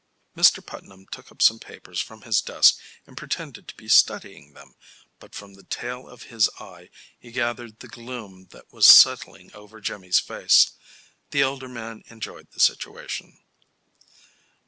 Mr. Putnam took up some papers from his desk and pretended to be studying them, but from the tail of his eye he gathered the gloom that was settling over Jimmy's face. The elder man enjoyed the situation.